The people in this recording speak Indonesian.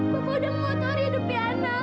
bapak udah memotori hidup iyena